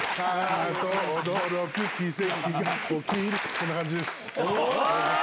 こんな感じです。